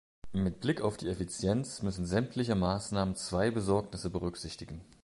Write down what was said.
Mit Blick auf die Effizienz müssen sämtliche Maßnahmen zwei Besorgnisse berücksichtigen.